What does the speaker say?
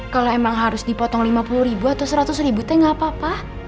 kalau emang harus dipotong lima puluh ribu atau seratus ribu teh gak apa apa